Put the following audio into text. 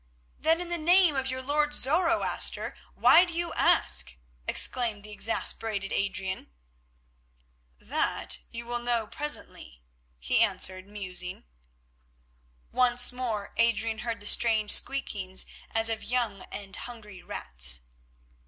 "Then, in the name of your Lord Zoroaster, why do you ask?" exclaimed the exasperated Adrian. "That you will know presently," he answered musing. Once more Adrian heard the strange squeaking as of young and hungry rats.